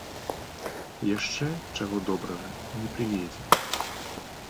Яшчэ, чаго добрага, не прыедзе.